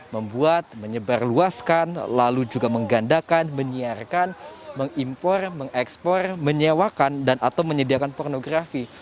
membuat menyebarluaskan lalu juga menggandakan menyiarkan mengimpor mengekspor menyewakan dan atau menyediakan pornografi